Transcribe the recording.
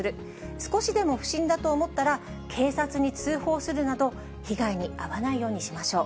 少しでも不審だと思ったら、警察に通報するなど、被害に遭わないようにしましょう。